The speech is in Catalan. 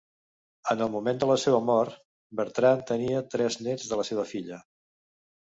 En el moment de la seva mort, Bertrand tenia tres nets de la seva filla.